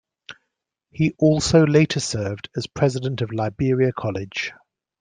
He also later served as president of Liberia College.